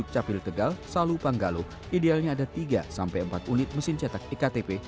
di zuk capil tegal salu panggalu idealnya ada tiga empat unit mesin cetak ektp